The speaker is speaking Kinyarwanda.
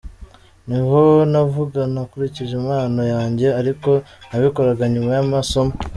Niho navuga nakurije impano yanjye ariko nabikoraga nyuma y’amasomo.